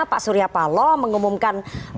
pak surya paloh mengumumkan